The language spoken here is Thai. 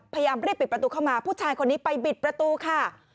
พยายามรีบปิดประตูเข้ามาผู้ชายคนนี้ไปบิดประตูค่ะ